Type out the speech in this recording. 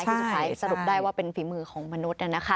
ที่สุดท้ายสรุปได้ว่าเป็นฝีมือของมนุษย์